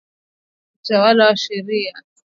Chama cha utawala wa sheria